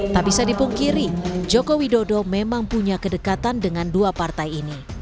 tak bisa dipungkiri joko widodo memang punya kedekatan dengan dua partai ini